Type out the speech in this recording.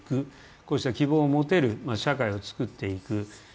こうした希望を持てる社会を作っていく。